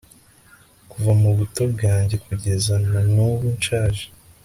kuva mu buto bwanjye kugeza na n'ubu nshaje